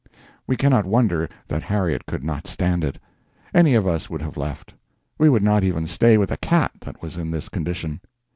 We cannot wonder that Harriet could not stand it. Any of us would have left. We would not even stay with a cat that was in this condition.